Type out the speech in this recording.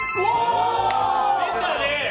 出たね！